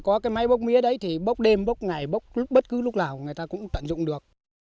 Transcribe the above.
có cái máy bốc mía đấy thì bốc đêm bốc ngày bốc bất cứ lúc nào người ta cũng tận dụng được